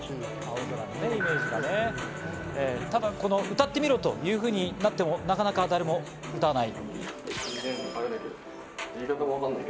歌ってみろというふうになってもなかなか誰も歌わない。